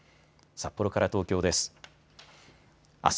札幌から東京です。